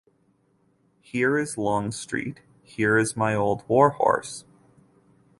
Here is Longstreet; here's my old war-horse!